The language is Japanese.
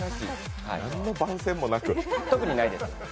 特にないです。